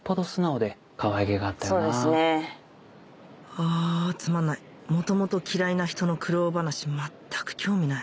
あつまんない元々嫌いな人の苦労話全く興味ない